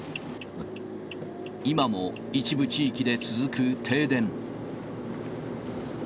今も一部地域で続く停電。